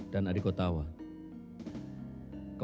dan adik attawaringkas